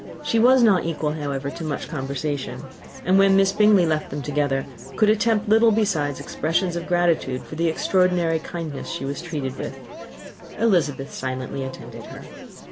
She was not equal, however, to much conversation; and when Miss Bingley left them together, could attempt little beside expressions of gratitude for the extraordinary kindness she was treated with. Elizabeth silently attended her.